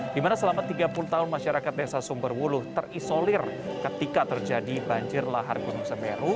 di mana selama tiga puluh tahun masyarakat desa sumberwuluh terisolir ketika terjadi banjir lahar gunung semeru